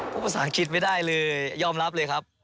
พูดภาษาอังกฤษไม่ได้เลยยอมรับเลยครับ